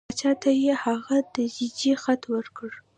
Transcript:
باچا ته یې هغه د ججې خط ورکړ.